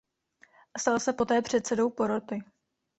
Stal se poté předsedou poroty.